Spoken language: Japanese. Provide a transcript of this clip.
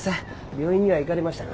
病院には行がれましたが？